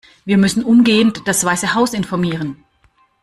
Wir müssen umgehend das Weiße Haus informieren.